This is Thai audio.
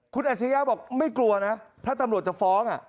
คุณอัชริยะบอกไม่กลัวนะถ้าตำรวจจะฟ้อง